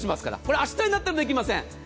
明日になったらできません。